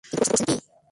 কিন্তু করেছেন কী?